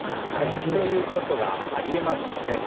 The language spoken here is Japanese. そういうことがありえますので。